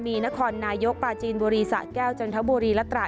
มีนครนายกปลาจีนบุรีสะแก้วจันทบุรีและตรา